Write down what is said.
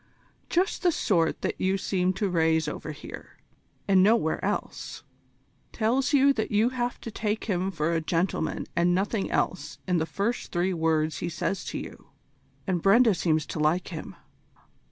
Just the sort that you seem to raise over here, and nowhere else. Tells you that you have to take him for a gentleman and nothing else in the first three words he says to you and Brenda seems to like him.